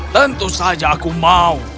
tentu saja aku mau